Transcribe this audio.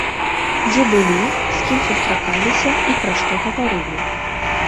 Дзе былі, з кім сустракаліся і пра што гаварылі?